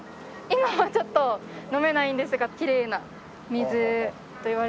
今はちょっと飲めないんですがきれいな水といわれていて。